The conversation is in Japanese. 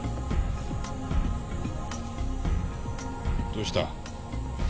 どうした？